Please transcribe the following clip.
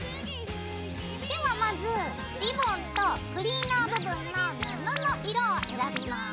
ではまずリボンとクリーナー部分の布の色を選びます。